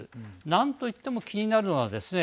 なんといっても気になるのはですね